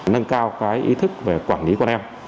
nâng cao ý thức về quản lý con em